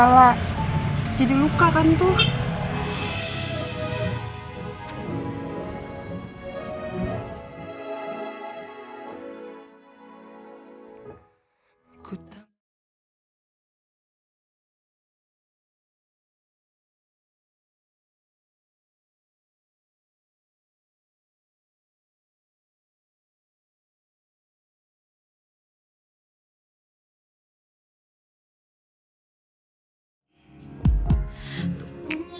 tapi banyak yang belum ikut spreading